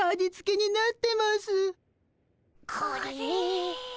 これ。